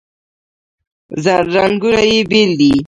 رنګونه یې بیل دي.